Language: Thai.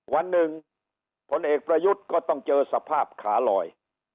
วันหนึ่งพลเอกประยุทธ์ก็ต้องเจอสภาพขาลอย